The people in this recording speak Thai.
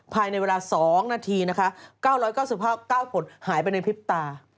ภายในเวลา๒นาทีนะคะ๙๙๙ผลหายไปในพริบตา